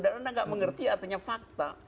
dan anda tidak mengerti artinya fakta